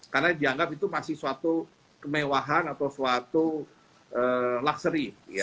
karena dianggap itu masih suatu kemewahan atau suatu luxury